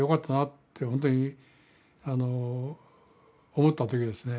本当に思った時ですね。